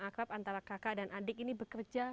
akrab antara kakak dan adik ini bekerja